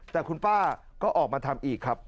แต่คุณป้าก็ออกมาทำอีกครับ